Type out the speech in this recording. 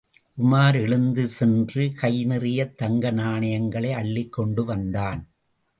உமார் எழுந்து சென்று கை நிறையத் தங்கநாணயங்களை அள்ளிக் கொண்டு வந்தான்.